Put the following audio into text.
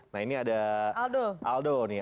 nah ini ada aldo nih